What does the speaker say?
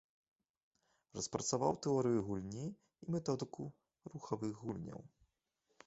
Распрацаваў тэорыю гульні і методыку рухавых гульняў.